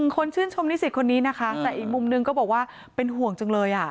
คนชื่นชมนิสิตคนนี้นะคะแต่อีกมุมนึงก็บอกว่าเป็นห่วงจังเลย